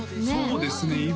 そうですね